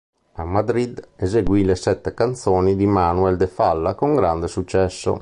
A Madrid, eseguì le "Sette canzoni" di Manuel de Falla con grande successo.